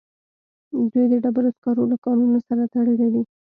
دوی د ډبرو سکارو له کانونو سره تړلي دي